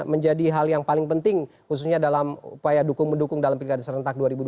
menjadi hal yang paling penting khususnya dalam upaya dukung mendukung dalam pilkada serentak dua ribu dua puluh